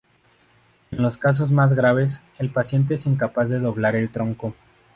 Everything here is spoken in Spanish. En los casos más graves, el paciente es incapaz de doblar el tronco.